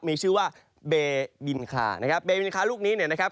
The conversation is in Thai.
มีชื่อว่าเบบินคานะครับเบบินคลาลูกนี้เนี่ยนะครับ